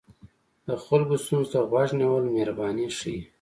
د خلکو ستونزو ته غوږ نیول مهرباني ښيي.